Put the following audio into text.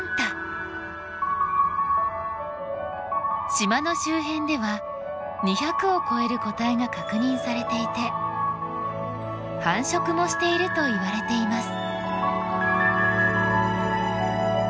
島の周辺では２００を超える個体が確認されていて繁殖もしているといわれています。